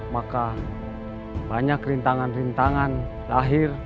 maka banyak rintangan rintangan lahir